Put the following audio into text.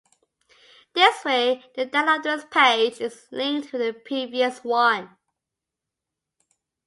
This way, the download of this page is linked with the previous one.